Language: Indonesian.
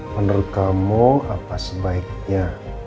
menurut kamu apa sebaiknya